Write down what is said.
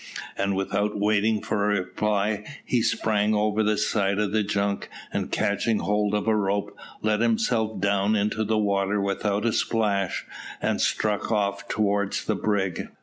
And without waiting for a reply, he sprang over the side of the junk, and catching hold of a rope, let himself down into the water without a splash, and struck off towards the brig.